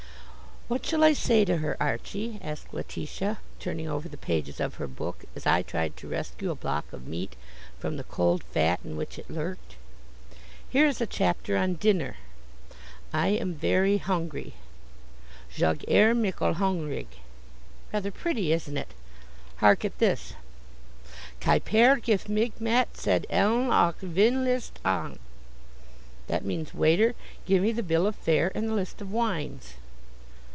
"What shall I say to her, Archie?" asked Letitia, turning over the pages of her book, as I tried to rescue a block of meat from the cold fat in which it lurked. "Here is a chapter on dinner. 'I am very hungry,' 'Jag är myckel hungrig.' Rather pretty, isn't it? Hark at this: 'Kypare gif mig matsedeln och vinlistan.' That means: 'Waiter, give me the bill of fare, and the list of wines.'"